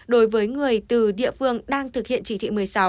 đối với người từ địa phương đang thực hiện chỉ thị một mươi sáu